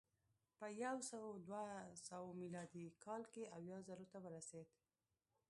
په یو سوه دوه سوه میلادي کال کې اویا زرو ته ورسېد